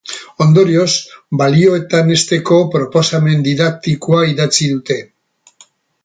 Ondorioz, balioetan hezteko proposamen didaktikoa idatzi dute.